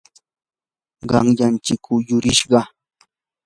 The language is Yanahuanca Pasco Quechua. qanyan chikuu yurishqa.